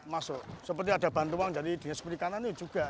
masuk seperti ada bantu uang dari dprd kanan juga